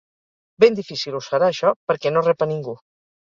Ben difícil us serà això perque no reb a ningú.